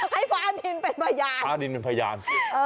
ให้ฟ้าอดินเป็นพยาน